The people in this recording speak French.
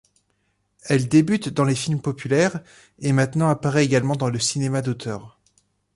Elle débute dans les films populaires et maintenant apparaît également dans le cinéma d'auteur.